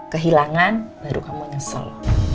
kehilangan baru kamu nyesel